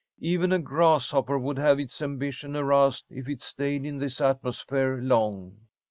Even a grasshopper would have its ambition aroused if it stayed in this atmosphere long."